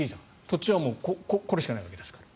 土地はこれしかないわけですから。